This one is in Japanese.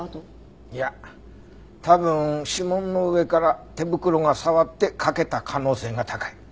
いや多分指紋の上から手袋が触って欠けた可能性が高い。